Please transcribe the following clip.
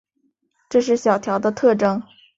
这是小调的特征。